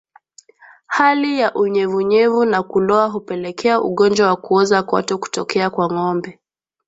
Hali ya unyevuvyevu na kuloa hupelekea ugonjwa wa kuoza kwato kutokea kwa ngombe